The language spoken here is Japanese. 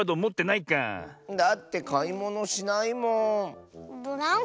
だってかいものしないもん。